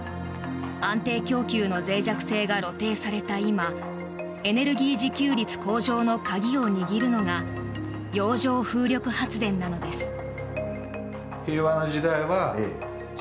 安定供給のぜい弱性が露呈された今エネルギー自給率向上の鍵を握るのが洋上風力発電なのです。